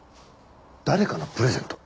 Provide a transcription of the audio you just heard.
誰かのプレゼント？